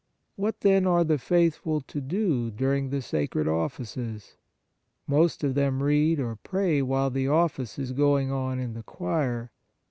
What, then, are the faithful to do during the sacred offices ? Most of them read or pray while the Office is going on in the choir.